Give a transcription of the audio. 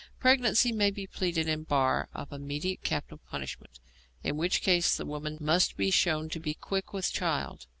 Pregnancy may be pleaded in bar of immediate capital punishment, in which case the woman must be shown to be 'quick with child.'